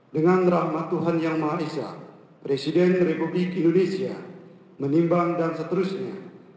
dengan rahmat tuhan yang maha esa presiden republik indonesia menimbang dan seterusnya